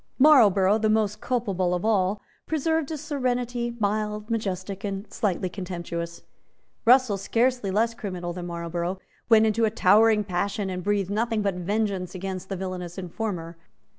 Marlborough, the most culpable of all, preserved a serenity, mild, majestic and slightly contemptuous. Russell, scarcely less criminal than Marlborough, went into a towering passion, and breathed nothing but vengeance against the villanous informer.